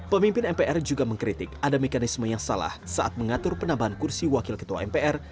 pemimpin mpr juga mengkritik ada mekanisme yang salah saat mengatur penambahan kursi wakil ketua mpr